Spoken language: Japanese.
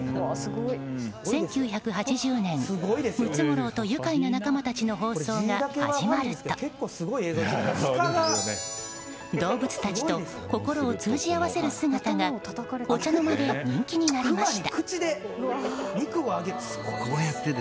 １９８０年「ムツゴロウとゆかいな仲間たち」の放送が始まると動物たちと心を通じ合わせる姿がお茶の間で人気になりました。